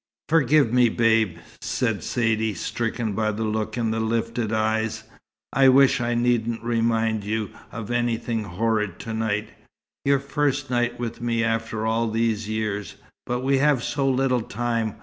"Forgive me, Babe!" said Saidee, stricken by the look in the lifted eyes. "I wish I needn't remind you of anything horrid to night your first night with me after all these years. But we have so little time.